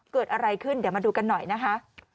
เกิดอะไรขึ้นเดี๋ยวมาดูกันหน่อยนะคะ